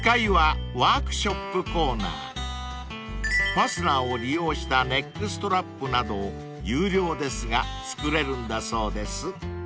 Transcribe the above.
［ファスナーを利用したネックストラップなどを有料ですが作れるんだそうです］